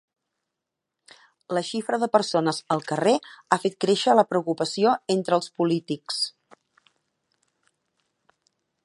La xifra de persones al carrer ha fet créixer la preocupació entre els polítics.